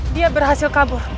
dia berhasil kabur